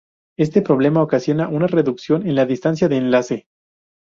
Este problema ocasiona una reducción en la distancia de enlace.